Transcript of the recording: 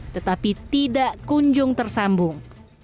tetapi tidak kunjung tersambung